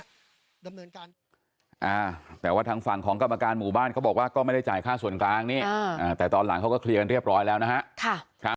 อ่าดำเนินการอ่าแต่ว่าทางฝั่งของกรรมการหมู่บ้านเขาบอกว่าก็ไม่ได้จ่ายค่าส่วนกลางนี่อ่าอ่าแต่ตอนหลังเขาก็เคลียร์กันเรียบร้อยแล้วนะฮะค่ะครับ